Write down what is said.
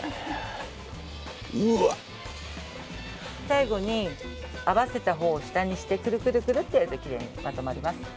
最後に合わせた方を下にしてくるくるくるってやるときれいにまとまります。